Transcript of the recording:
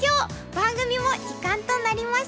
番組も時間となりました。